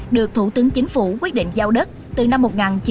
được thủ tướng chính phủ quyết định giao đất từ năm một nghìn chín trăm chín mươi